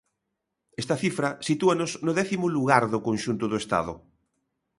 Esta cifra sitúanos no décimo lugar do conxunto do Estado.